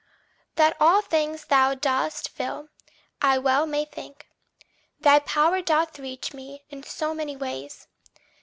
That all things thou dost fill, I well may think Thy power doth reach me in so many ways.